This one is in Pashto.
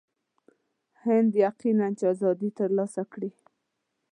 هند یقیناً چې آزادي ترلاسه کړي.